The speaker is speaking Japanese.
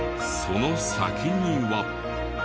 その先には。